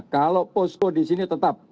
kalau posko di sini tetap